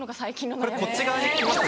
これこっち側に来ますね。